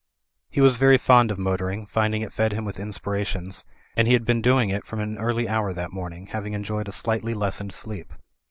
He was very fond of motoring, finding it fed him with inspirations; and he had been doing it from an early hour that morning, having enjoyed a slightly lessened sleep.